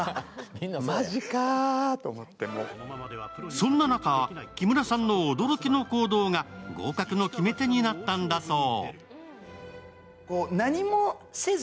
そんな中、木村さんの驚きの行動が合格の決め手になったんだそう。